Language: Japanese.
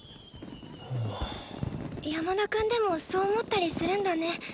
山田くんでもそう思ったりするんだね。